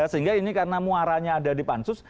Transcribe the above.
sehingga ini karena muaranya ada di pansus